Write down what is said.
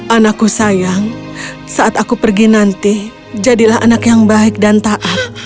anakku sayang saat aku pergi nanti jadilah anak yang baik dan taat